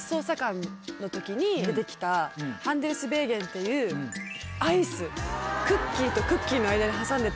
ハンデルスベーゲンっていうアイスクッキーとクッキーの間に挟んでた。